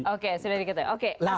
oke sedikit lagi